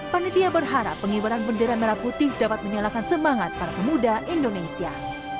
panitia berharap pengibaran bendera merah putih dapat menyalakan semangat para pemuda indonesia